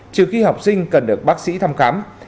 trừ khi học sinh cần được bác sĩ thăm khám